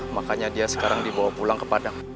makanya dia sekarang dibawa pulang ke padang